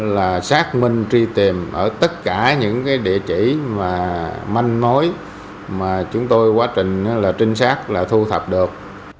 là xác minh truy tìm ở tất cả những địa chỉ mà manh mối mà chúng tôi quá trình trinh sát là thu thập được